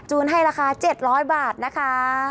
ให้ราคา๗๐๐บาทนะคะ